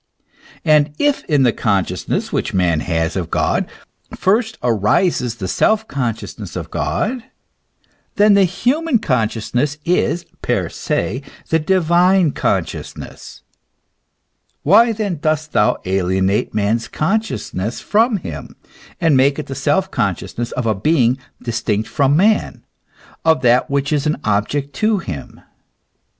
And if in the consciousness which man has of God first arises the self consciousness of God, then the human consciousness is, per se y the divine consciousness. Why then dost thou alienate man's consciousness from him, and make it the self conscious ness of a being distinct from man, of that which is an object to him ?